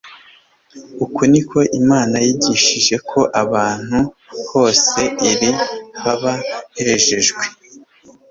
"Uku niko Imana yigishije ko ahantu hose iri, haba hejejwe.